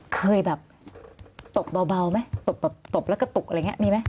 เคยแบบตบเบาไหมตบแบบตบแล้วก็ตกอะไรอย่างนี้มีไหม